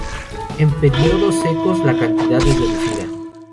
En periodos secos la cantidad es reducida.